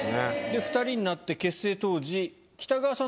で２人になって結成当時。